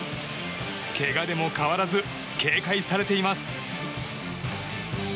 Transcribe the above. けがでも変わらず警戒されています。